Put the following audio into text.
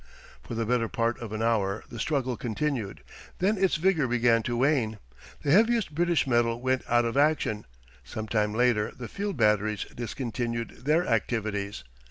For the better part of an hour the struggle continued; then its vigour began to wane. The heaviest British metal went out of action; some time later the field batteries discontinued their activities.